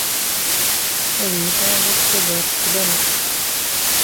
Ad yi-tɛawneḍ ad ssirdeɣ iqeslan-a?